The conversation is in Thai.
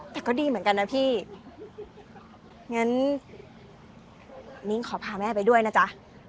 แต่ก็ดีเหมือนกันนะพี่งั้นนิ้งขอพาแม่ไปด้วยนะจ๊ะ